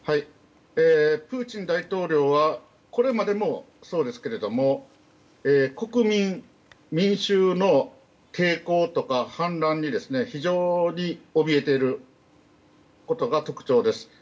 プーチン大統領はこれまでもそうですけども国民、民衆の抵抗とか反乱に非常におびえていることが特徴です。